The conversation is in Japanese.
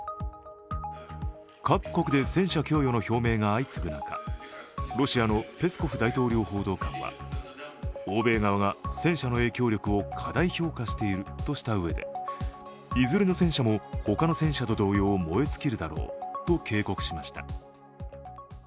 各国で戦車供与の表明が相次ぐ中、ロシアのペスコフ大統領報道官は欧米側が戦車の影響力を過大評価しているとしたうえで、いずれの戦車もほかの戦車と同様燃え尽きるだろうと警告しました。